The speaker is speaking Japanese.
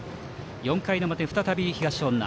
４回の表、再び東恩納。